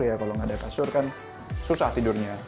ya kalau nggak ada kasur kan susah tidurnya